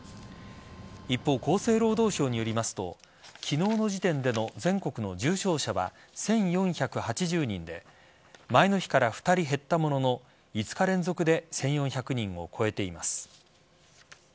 一方、厚生労働省によりますと昨日の時点での全国の重症者は１４８０人で前の日から２人減ったものの５日連続で１４００人を超えています。